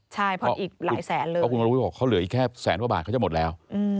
ใช่เพราะอีกหลายแสนเลยเพราะคุณวรวิทย์บอกเขาเหลืออีกแค่แสนกว่าบาทเขาจะหมดแล้ว